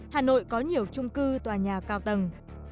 hà nội có nhiều trung cư tòa nhà cao tầng